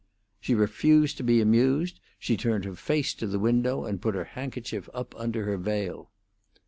She refused to be amused; she turned her face to the window and put her handkerchief up under her veil.